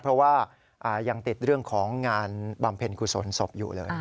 เพราะว่ายังติดเรื่องของงานบำเพ็ญกุศลศพอยู่เลย